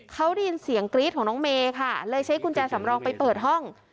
เขาได้ยินเสียงกรี๊ดของน้องเมย์ค่ะเลยใช้กุญแจสำรองไปเปิดห้อง